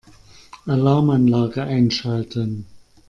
Alarmanlage einschalten.